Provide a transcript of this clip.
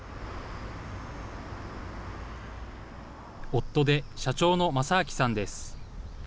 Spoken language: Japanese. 夫で社長の昌明さんです。